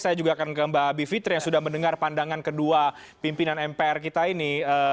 saya juga akan ke mbak bivitri yang sudah mendengar pandangan kedua pimpinan mpr kita ini